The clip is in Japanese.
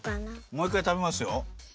もう１かい食べますよ。